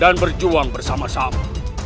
dan berjuang bersama sama